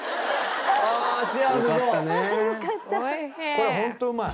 これホントうまい。